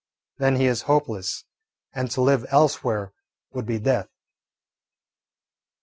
Then he is hopeless, and to live elsewhere would be death.